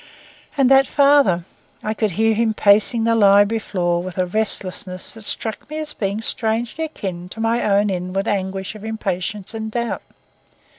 And that father! I could hear him pacing the library floor with a restlessness that struck me as being strangely akin to my own inward anguish of impatience and doubt.